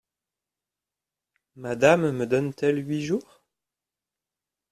Madame me donne-t-elle huit jours ?…